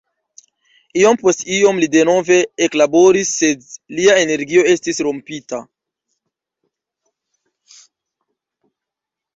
Iom post iom li denove eklaboris sed lia energio estis rompita.